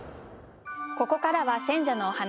ここからは選者のお話。